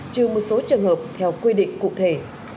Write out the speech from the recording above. trừ một số trường hợp theo quy định cụ thể